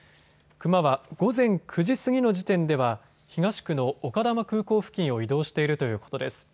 クマは午前９時過ぎの時点では東区の丘珠空港付近を移動しているということです。